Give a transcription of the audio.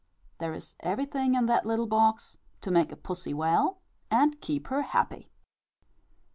There is everything in that little box to make a Pussy well, and keep her happy.